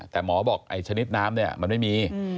แต่หมอบอกไอ้ชนิดน้ำเนี่ยมันไม่มี